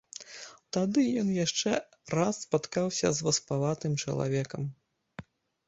Тады ён яшчэ раз спаткаўся з васпаватым чалавекам.